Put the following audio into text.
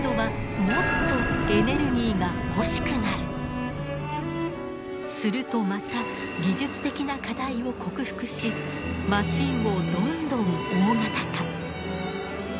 でもするとまた技術的な課題を克服しマシンをどんどん大型化。